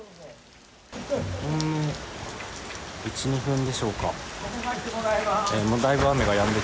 ほんの１、２分でしょうか。